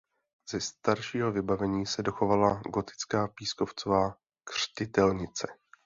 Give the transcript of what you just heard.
Ze staršího vybavení se dochovala gotická pískovcová křtitelnice.